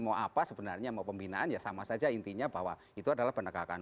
mau apa sebenarnya mau pembinaan ya sama saja intinya bahwa itu adalah penegakan